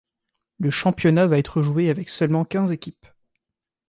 Le championnat va être joué avec seulement quinze équipes.